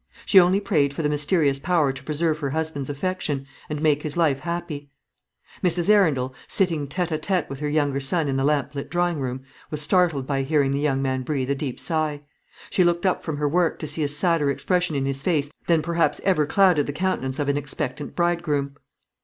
She only prayed for the mysterious power to preserve her husband's affection, and make his life happy. Mrs. Arundel, sitting tête à tête with her younger son in the lamp lit drawing room, was startled by hearing the young man breathe a deep sigh. She looked up from her work to see a sadder expression in his face than perhaps ever clouded the countenance of an expectant bridegroom.